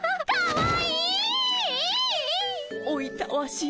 おいたわしや。